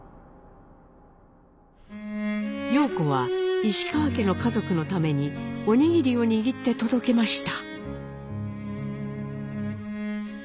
様子は石川家の家族のためにお握りを握って届けました。